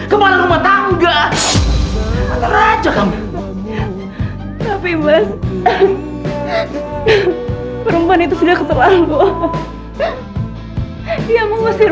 kemarin matang enggak terlalu cepat tapi mbak perempuan itu sudah ketelan gua dia mengusir